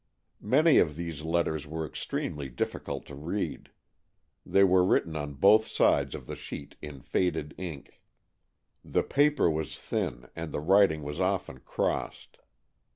Many of these letters were extremely difficult to read. They were written on both sides of the sheet in faded ink. The paper was thin, and the writing was often crossed.